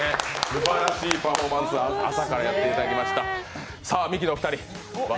すばらしいパフォーマンス朝からやっていただきました。